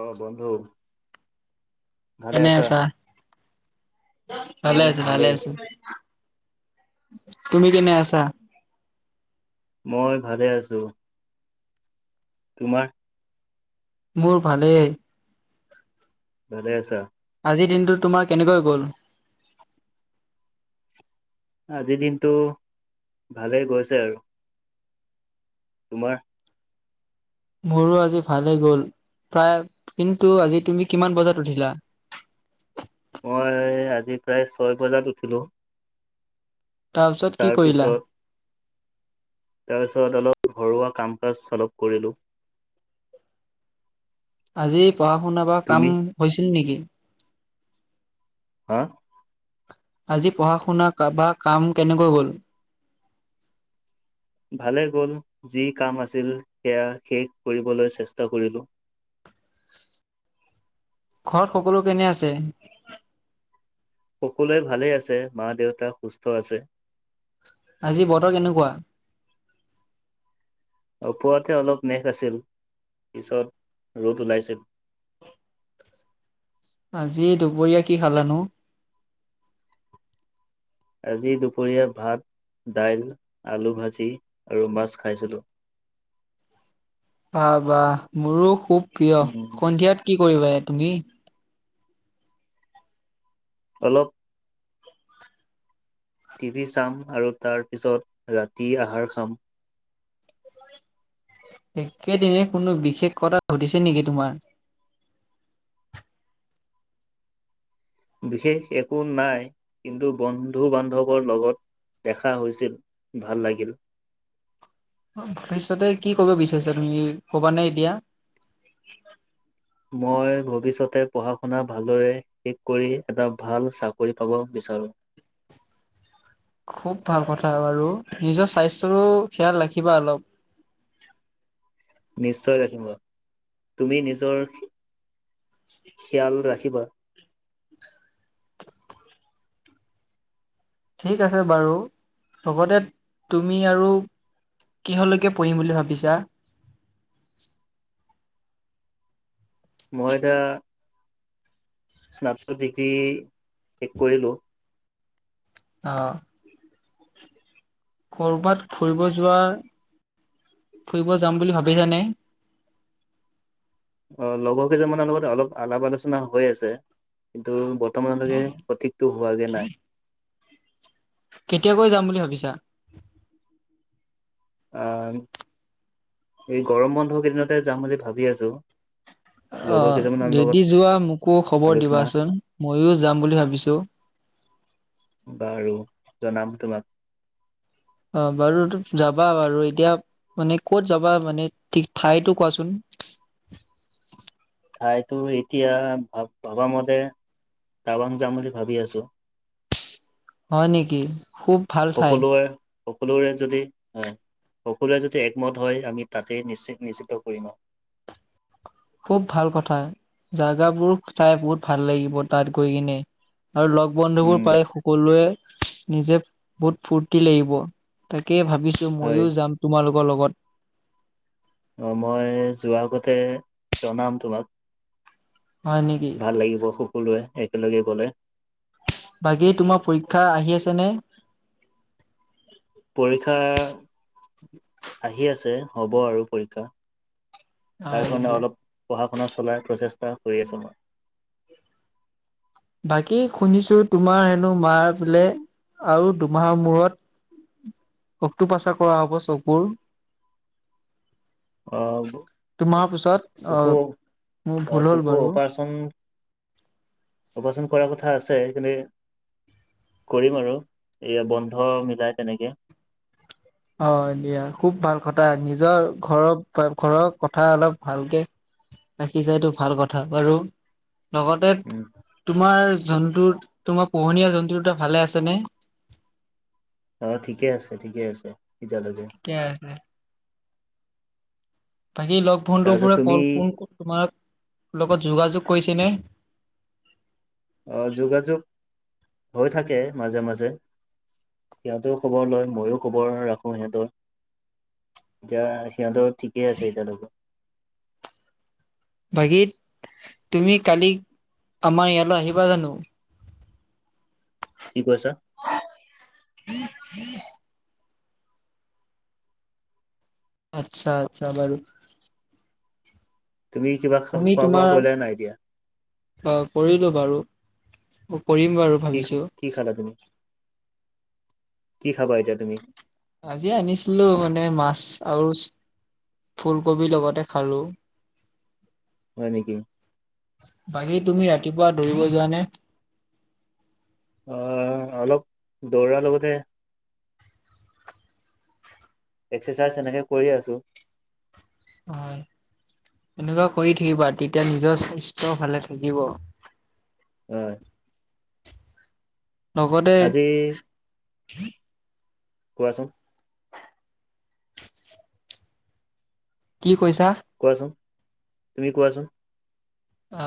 অ', বন্ধু। কেনে আছা ভালে মোৰ আছো ভালে ভালেই আছো তুমি কেনে আছা মই ভালে আছো। তোমাক মোৰ ভালেই। ভালে আছা আজিৰ দিনটো তোমাৰ কেনেকৈ গ'ল? আজিৰ দিনটো ভালে গৈছে আৰু তোমাৰ মোৰো আজি ভালে গ'ল প্ৰায় কিন্তু আজি তুমি কিমান বজাত উঠিলা মই আজি প্ৰায় ছয় বজাত উঠিলোঁ তাৰপিছত কি কৰিলা? তাৰপিছত তাৰপিছত অলপ ঘৰুৱা কাম কাজ অলপ কৰিলোঁ আজি পঢ়া শুনা বা কাম তুমি হৈছিল নেকি? হা? আজি পঢ়া শুনা তাপা কাম কেনেকৈ গ'ল? ভালেই গ'ল, যি কাম আছিল সেইয়া শেষ কৰিবলৈ চেষ্টা কৰিলো। ঘৰত সকলো কেনে আছে? সকলোৱে ভালে আছে মা দেউতা সুস্থ আছে আজি বতৰ কেনেকুৱা? উপৰত অলপ মেঘ আছিল, পিছত ৰ'দ ওলাইছে। আজি দুপৰীয়া কি খালানো? আজি দুপৰীয়া ভাত দাইল আলু ভাজি আৰু মাছ খাইছিলো বাহ বাহ মোৰো খুব প্ৰিয়, উম, সন্ধিয়াত কি কৰিবা এই তুমি? অলপ। টিভি চাম আৰু তাৰ পিছত, ৰাতি আহাৰ খাম। একেদিনে কোনো বিশেষ কথা ঘটিছে নেকি তোমাৰ বিশেষ একো নাই কিন্তু বন্ধু বান্ধৱৰ লগত দেখা হৈছিল ভাল লাগিল ভৱিষ্যতে কি কৰিব বিচাৰিছা তুমি কিবা নে এতিয়া মই ভৱিষ্যতে পঢ়া শুনা ভালদৰে শেষ কৰি এটা ভাল চাকৰি পাব বিচাৰোঁ খুব ভাল কথা বাৰু নিজৰ স্বাস্থ্যৰো খিয়াল ৰাখিবা অলপ নিশ্চয় ৰাখিবা তুমি নিজৰ খিয়াল ৰাখিবা ঠিক আছে বাৰু লগতে তুমি আৰু কিহলৈকে পঢ়িম বুলি ভাবিছা মই এতিয়া স্নাতক ডিগ্ৰী শেষ কৰিলোঁ অ কৰ'বাত ফুৰিব যোৱাৰ ফুৰিব যাম বুলি ভাবিছানে অ লগৰ কেইজনৰ লগত অলপ আলাপ আলোচনা হৈ আছে কিন্তু বৰ্তমানলৈকে সঠিকটো হোৱাগে নাই কেতিয়াকৈ যাম বুলি ভাবিছা আহ এই গৰম বন্ধ কেইদিনতে যাম বুলি ভাবি আছো অ লগৰ কেইজনমানৰ লগত যদি যোৱা মোকো খবৰ আলোচনা দিবাচোন মইয়ো যাম বুলি ভাবিছো বাৰু জনাম তোমাক। অ' বাৰু যাবা বাৰু এতিয়া মানে ক'ত যাবা মানে ঠিক ঠাইতো কোৱাচোন। ঠাইতো এতিয়া ভাবা মতে টাবাং যাম বুলি ভাবি আছো। হয় নেকি খুব ভাল ঠাই। সকলোৱে। সকলোৰে যদি হয় সকলোৰে যদি একমত হয় আমি তাতে নিশ্চিত নিশ্চিত কৰিম আৰু। খুব ভাল কথা জাগাবোৰ চাই বহুত ভাল লাগিব তাত গৈ কিনে। আৰু লগ বন্ধু বোৰ উম পায় কলোৱে নিজে বহুত ফুৰ্তি লাগিব, তাকেই ভাবিছো হয় ময়ো যাম। তোমালোকৰ লগত। অ' মই যোৱা আগতে জনাম তোমাক। হয় নেকি? ভাল লাগিব সকলোৱে একেলগে গলে। বাকী তোমাৰ পৰীক্ষা আহি আছেনে? পৰীক্ষা আহি আছে, হ'ব আৰু পৰীক্ষা। তাৰ কাৰণে অলপ পঢ়া- শুনা চলাৰ প্ৰচেষ্টা হৈ আছো মই। বাকী শুনিছো তোমাৰ হেনো মাৰ বোলে আৰু দুমাহৰ মূৰত অকটো পাচাৰ কৰা হ'ব চকুৰ। অ' দুমাহৰ পিছত আহ চকো মোৰ ভুল অ' হ'ল চকো বাৰু অপাৰচন অপাৰচন কৰাৰ কথা আছে কিন্তু। কৰিম আৰু এয়া বন্ধ মিলাই তেনেকে। অ' দিয়া খুব ভাল কথা, নিজৰ ঘৰৰ ঘৰৰ কথা অলপ ভালকে ৰাখিছা টো ভাল কথা বাৰু। লগতে উম তোমাৰ জন্তু তোমাৰ পোহনীয়া জন্তু দুটা ভালে আছেনে? অ' ঠিকে আছে ঠিকে আছে এতিয়ালৈকে। থিকেই আছে। বাকী লগ বন্ধু তাৰপিছত বোৰে তুমি কল ফোন কৰি তোমাৰ লগত যোগাযোগ কৰিছে নে? অ' যোগাযোগ হৈ থাকে মাজে মাজে। সিহঁতেও খবৰ লয় মইয়ো খবৰ ৰাখো সিহঁতৰ। এতিয়া সিহঁতৰ ঠিকেই আছে এতিয়ালৈকে। বাকী তুমি কালি আমাৰ ইয়ালৈ আহিবা জানো? কি কৈছা? বি [inaudible] আচ্ছা আচ্ছা বাৰু। তুমি কিবা খাব তুমি খোৱা বোৱা তোমাৰ কৰিলে নাই এতিয়া? অ' কৰিলো বাৰু কৰিম বাৰু। কি ভাবিছো। কি খালা তুমি কি খাবা এতিয়া তুমি [inaudible] আজি আনিছিলো মানে মাছ আৰু ফুলকবি লগতে খালোঁ। হয় নেকি? বাকী তুমি ৰাতিপুৱা দৌৰিব যোৱা নে? অ' অলপ দৌৰাৰ লগতে এক্সাৰচাইজ সেনেকে কৰি আছো। হয় এনেকুৱা কৰি থাকিবা তেতিয়া নিজৰ স্বাস্থ্য ভালে থাকিব। অঁ। লগতে আজি কোৱাচোন। কি কৈছা? কোৱাচোন তুমি কোৱাচোন? অ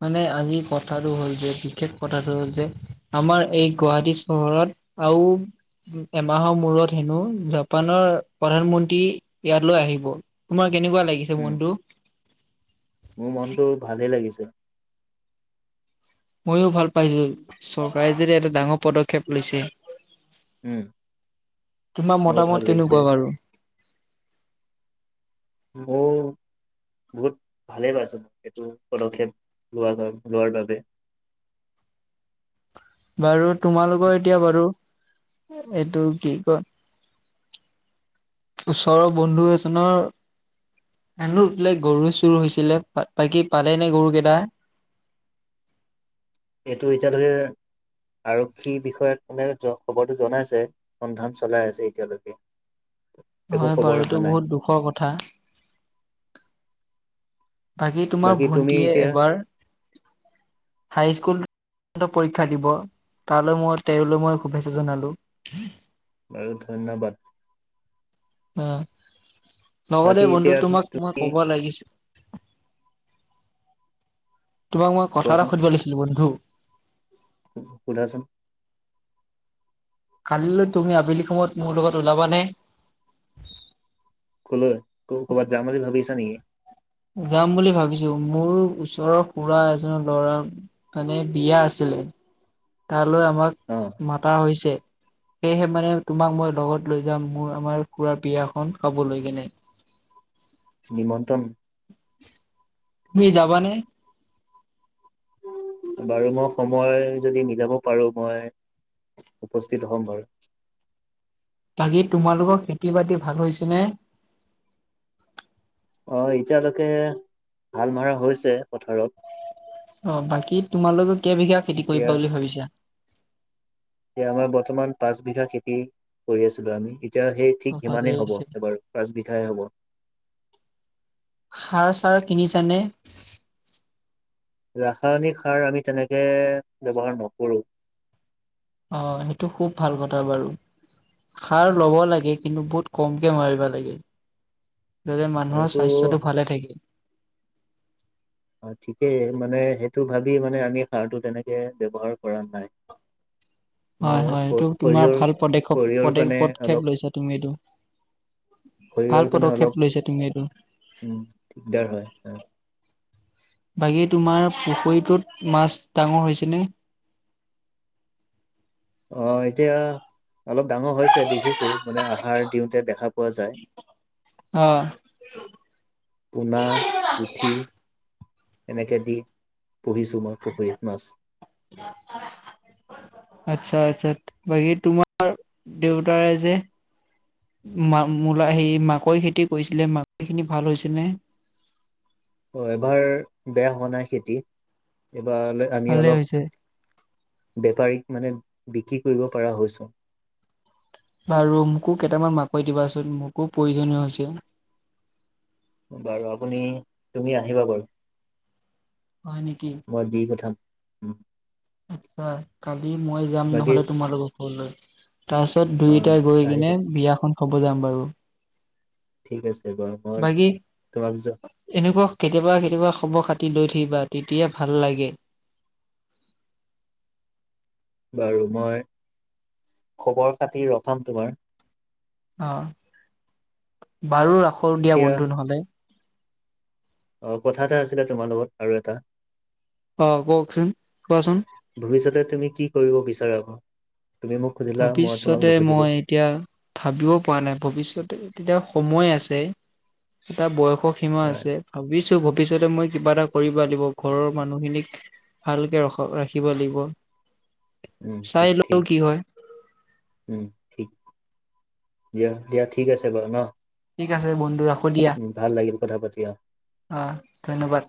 মানে আজি কথাটো হ'ল যে বিশেষ কথাটো হ'ল যে। আমাৰ এই গুৱাহাটী চহৰত আও এমাহৰ মূৰত হেনো জাপানৰ প্ৰধানমন্ত্ৰী ইয়ালৈ আহিব। তোমাৰ কেনেকুৱা লাগিছে উম মনটো? মোৰ মনতটো ভালে লাগিছে। ময়ো ভাল পাইছো চৰকাৰে যে এটা ডাঙৰ পদক্ষেপ লৈছে। উম তোমাৰ মোৰো ভাল মতামত লাগিছে কেনেকুৱা বাৰু? মোৰ বহুত ভালেই পাইছো মোক এইটো পদক্ষেপ লোৱাৰ বাবে লোৱাৰ বাবে। বাৰু তোমালোকৰ এতিয়া বাৰু এইটো কি কয়। ওচৰৰ বন্ধু এজনৰ [unintelligible] বোলে গৰু চুৰ হৈছিলে বাকি পালে নে গৰু কেইটা? এইটো এতিয়ালৈকে আৰক্ষী বিষয়াক মানে খবৰটো জনাইছে। সন্ধান চলাই আছে এতিয়ালৈকে। একো হয় খবৰ বাৰু অহা এইটো নাই বহুত দুখৰ কথা। বাকী তোমাৰ তুমি ভন্টিয়ে এতিয়া এবাৰ, হাইস্কুল পৰীক্ষা দিব তালৈ মই তেওলৈ মই শুভেচ্ছা জনালো। বাৰু ধন্যবাদ। অৱ, লগতে বাকী বন্ধু এতিয়া তোমাক মই তুমি ক'ব লাগিছিল। তোমাক মই কথা এটা কোৱাচোন সুধিব লাগিছিল বন্ধু। সুধাচোন। কাললৈ তুমি আবেলি সময়ত মোৰ লগত ওলাবানে? কলৈ, ক'ৰবাত যাম বুলি ভাবি আছা নেকি? যাম বুলি ভাবিছো মোৰ ওচৰৰ খুৰা এজনৰ ল'ৰাৰ- মানে বিয়া আছিলে, তালৈ আমাক অ মাতা হৈছে। সেয়েহে মানে তোমাক মই লগত লৈ যাম মোৰ আমাৰ খুুৰাৰ বিয়াখন খাবলৈ কেনে। নিমন্ত্ৰণ। তুমি যাবানে? বাৰু মই সময় যদি মিলাব পাৰো। মই উপস্থিত হ'ম বাৰু। বাকী তোমালোকৰ খেতি-বাতি ভাল হৈছে নে? অৱ এতিয়ালৈকে শাল মৰা হৈছে পথাৰত। অৱ বাকী তোমালোকে কেইবিঘা খেতি এতিয়া কৰিবা বুলিম ভাবিছা? এতিয়া আমাৰ বৰ্তমান পাঁচ বিঘা খেতি কৰি আছিলো আমি। এতিয়া সেই অ ঠিক ভালেই সিমানেই হ'ব হৈছে। এবাৰো পাচ বিঘাই হ'ব। সাৰ চাৰ কিনিছানে? ৰাসায়নিক সাৰ আমি তেনেকে ব্যৱহাৰ নকৰো। অ সেইটো খুব ভাল কথা বাৰু। সাৰ ল'ব লাগে কিন্তু, বহুত কমকে মাৰিব লাগে। যাতে মানুহৰ এইটো স্বাস্থ্যতটো ভালে থাকে। অ ঠিকেই মানে সেইটো ভাবি মানে আমি সাৰটো তেনেকে ব্যৱহাৰ কৰা নাই। [unintelligible] হয় মানে হয় এইটো তোমাৰ সৰিয়হৰ ভাল পদক্ষপদ সৰিয়হৰ কাৰণে পদক্ষেপ অলপ লৈছা তুমি এইটো ভাল সৰিয়হৰ কাৰণে পদক্ষেপ অলপ লৈছা তুমি এইটো, উম দিগদাৰ হয় বাকী তোমাৰ পুখুৰীটোত মাছ ডাঙৰ হৈছে নে। অ এতিয়া অলপ ডাঙৰ হৈছে দেখিছো মানে আহাৰ দিওঁতে দেখা পোৱা যায়। অ, পোনা পুঠি এনেকে দি পুহিছো মই পুখুৰীত মাছ। [unintelligible] আচ্ছা আচ্ছা বাকী তোমাৰ দেউতাৰ যে মা মূলা হে মাকৈ খেতি কৰিছিলে মাকৈ খিনি ভাল হৈছে নে। অ এবাৰ বেয়া হোৱা নাই খেতি এইবাৰ আমি ভালে অলপ। হৈছে বেপাৰীক মানে বিক্ৰী কৰিব পৰা হৈছোঁ। বাৰু মোকো কেইটামান মাকৈ দিবাচোন মোকো প্ৰয়োজনীয় হৈছে। বাৰু আপুনি তুমি আহিবা বাৰু হয় নেকি। মই দি পঠাম, আচ্ছা কালি মই যাম বাকী নহলে তোমালোকৰ ঘৰলৈ। তাৰ পিছত অ দুইটাই গৈ কিনে আহিবা বিয়াখন খাব যাম বাৰু ঠিক আছে বাৰু মই বাকী তোমাক যোৱা এনেকুৱা কেতিয়াবা কেতিয়াবা খবৰ খাতি লৈ থাকিবা তেতিয়া ভাল লাগে। বাৰু মই খবৰ খাতি ৰখাম তোমাৰ। অ বাৰু ৰাখোৰ দিয়া এতিয়া বন্ধু নহলে। অ কথা এটা আছিলে তোমাৰ লগত আৰু এটা, অ কওকচোন কোৱাচোন। ভৱিষ্যতে তুমি কি কৰিব বিচাৰা তুমি মোক সুধিলা মই তোমাক ভৱিষ্যতে নুসুধিলোঁ। মই এতিয়া ভাবিবও পৰা নাই ভৱিষ্যতে তেতিয়া সময় আছে এটা বয়সক, সীমা আহ, আছে ভাবিছো ভৱিষ্যতে মই কিবা এটা কৰিব দিব ঘৰৰ মানুহখিনিক। ভালকে ৰখ ৰাখিব লাগিব। উম চাই ঠিক লও ঠিক। কি হয় উম ঠিক দিয়া দিয়া ঠিক আছে বাৰু ন। ঠিক আছে বন্ধু ৰখ উ ভাল লাগিল কথা পাতি অ, অ ধন্যবাদ।